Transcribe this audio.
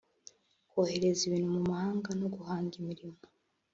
kohereza ibintu mu mahanga no guhanga imirimo